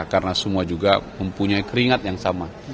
karena semua juga mempunyai keringat yang sama